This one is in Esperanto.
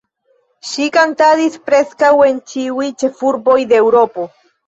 Ŝi kantadis preskaŭ en ĉiuj ĉefurboj de Eŭropo.